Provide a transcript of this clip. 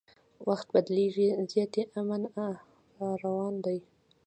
وخت بدلیږي زیاتي امن راروان دي